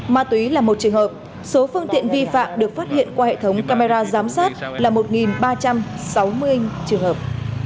ma túy là một trường hợp số phương tiện vi phạm được phát hiện qua hệ thống camera giám sát là một ba trăm sáu mươi trường hợp